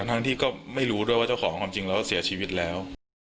ทั้งที่ก็ไม่รู้ด้วยว่าเจ้าของความจริงแล้วเสียชีวิตแล้ว